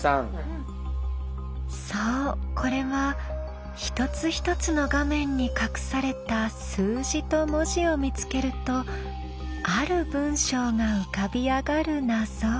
そうこれは一つ一つの画面に隠された数字と文字を見つけるとある文章が浮かび上がる謎。